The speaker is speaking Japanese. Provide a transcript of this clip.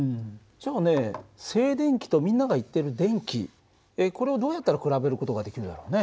じゃあね静電気とみんなが言ってる電気これをどうやったら比べる事ができるだろうね？